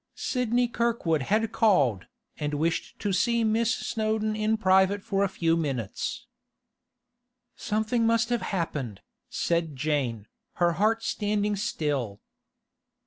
Sidney Kirkwood had called, and wished to see Miss Snowdon in private for a few minutes. 'Something must have happened,' said Jane, her heart standing still.